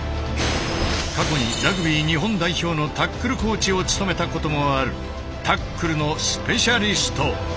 過去にラグビー日本代表のタックルコーチを務めたこともあるタックルのスペシャリスト。